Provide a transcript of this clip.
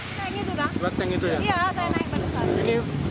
saya naik pada saat itu